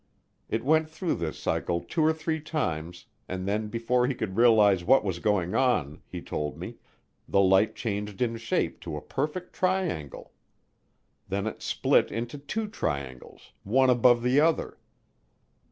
It went through this cycle two or three times, and then before he could realize what was going on, he told me, the light changed in shape to a perfect triangle. Then it split into two triangles, one above the other.